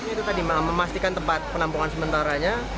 ini tadi memastikan tempat penampungan sementaranya